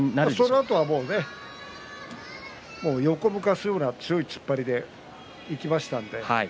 そのあとは横を向かすような強い突っ張りでいきましたので。